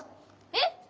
えっ！